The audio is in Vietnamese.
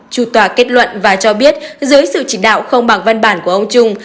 chủ tòa kết luận và cho biết dưới sự chỉ đạo không bằng văn bản của ông trung